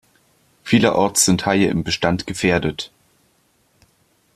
Vielerorts sind Haie im Bestand gefährdet.